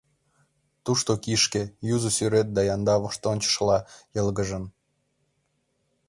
Тушто кишке, юзо сӱрет да янда воштончышла йылгыжын.